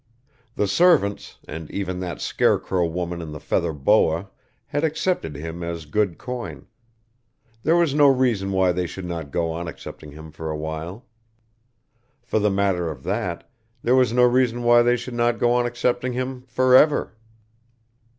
The servants, and even that scarecrow woman in the feather boa had accepted him as good coin; there was no reason why they should not go on accepting him for a while. For the matter of that, there was no reason why they should not go on accepting him forever.